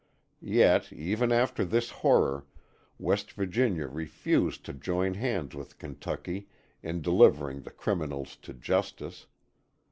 Yet, even after this last horror, West Virginia refused to join hands with Kentucky in delivering the criminals to justice.